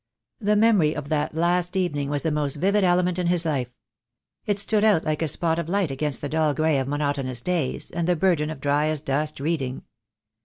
The memory of that last evening was the most vivid ele ment in his life. It stood out like a spot of light against the dull grey of monotonous days, and the burden of dry as dust reading.